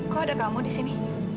kok ada kamu di sini